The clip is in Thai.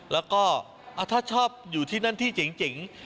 แล้วก็ถ้าชอบอยู่ที่นั่นที่เจ๋ง